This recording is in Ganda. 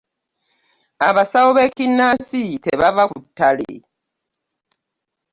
Abasawo b'ekinnansi tebava ku ttale!